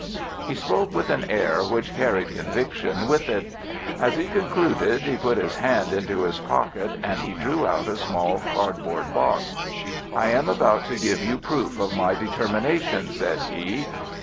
"He spoke with an air which carried conviction with it. As he concluded he put his hand into his pocket and he drew out a small cardboard box. "'I am about to give you a proof of my determination,' said he.